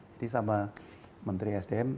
jadi sama menteri sdm